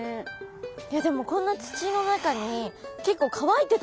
いやでもこんな土の中に結構乾いてたじゃないですか。